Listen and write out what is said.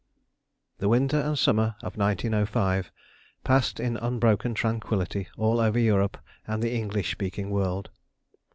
The winter and summer of 1905 passed in unbroken tranquillity all over Europe and the English speaking world.